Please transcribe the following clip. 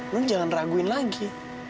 non jangan raguin lagi